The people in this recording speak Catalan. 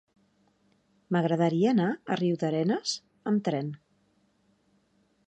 M'agradaria anar a Riudarenes amb tren.